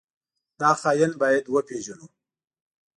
دا خاين بايد وپېژنو.